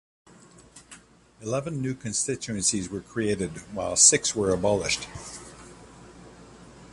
Eleven new constituencies were created, while six were abolished.